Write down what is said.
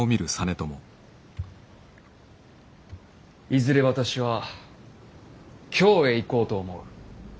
いずれ私は京へ行こうと思う。